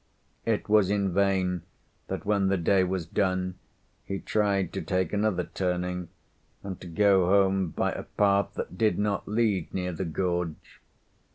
It was in vain that when the day was done he tried to take another turning and to go home by a path that did not lead near the gorge.